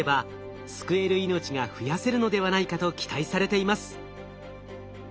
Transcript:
命が増やせるのではないかと期待されています。